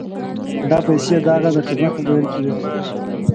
دا پیسې د هغه د خدمت په بدل کې وې.